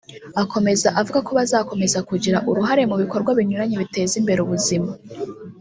Akomeza avuga ko bazakomeza kugira uruhare mu bikorwa binyuranye biteza imbere ubuzima